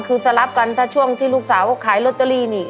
คือจะรับกันถ้าช่วงที่ลูกสาวขายลอตเตอรี่นี่